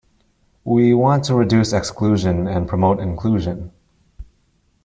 We want to reduce exclusion and promote inclusion.